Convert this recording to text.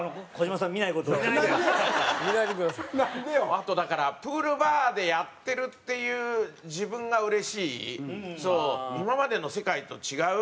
あとだからプールバーでやってるっていう今までの世界と違う。